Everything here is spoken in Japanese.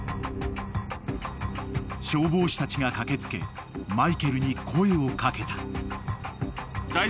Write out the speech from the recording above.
［消防士たちが駆け付けマイケルに声を掛けた］